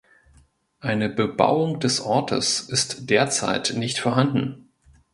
Eine Bebauung des Ortes ist derzeit nicht vorhanden.